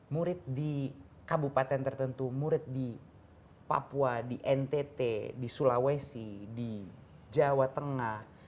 murid di kabupaten tertentu murid di papua di ntt di sulawesi di jawa tengah